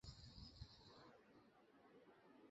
শুধু তাহাই নয়, সে-যুগের অনুরূপ ঘটনাবলী আমরা এযুগেও ঘটিতে দেখি।